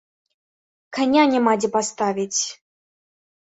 Каня няма дзе паставіць!